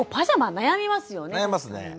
悩みますね。